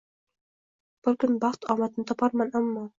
Bir kun baxt omadni toparman ammo